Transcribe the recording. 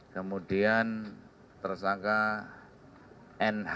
kemudian tersangka nh